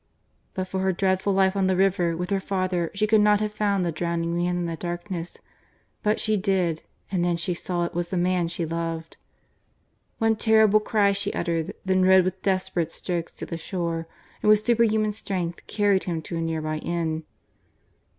But for her dreadful life on the river with her father she could not have found the drowning man in the darkness, but she did, and then she saw it was the man she loved. One terrible cry she uttered, then rowed with desperate strokes to the shore and with superhuman strength carried him to a near by inn.